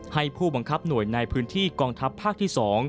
ให้ผู้บังคับหน่วยในพื้นที่กองทัพภาคที่๒